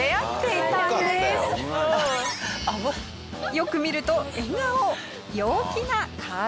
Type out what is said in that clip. よく見ると笑顔！